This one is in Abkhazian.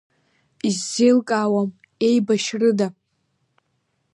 Исзеилкаауам иеибашьрыда?